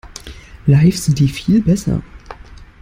Live sind die viel besser.